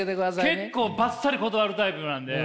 結構バッサリ断るタイプなんで。